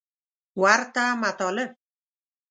ورته مطالب